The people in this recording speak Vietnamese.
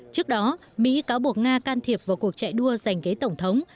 trước đó mỹ cáo buộc nga can thiệp vào cuộc chạy đua giành ghế tổng thống